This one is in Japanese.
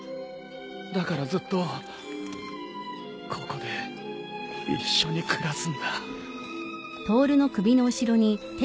だからずっとここで一緒に暮らすんだ。